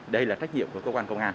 đây là trách nhiệm của cơ quan công an